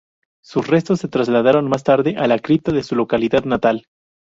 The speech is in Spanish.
Sus restos se trasladaron más tarde a la cripta de su localidad natal.